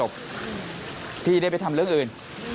พี่ได้ไปทำเรื่องอื่น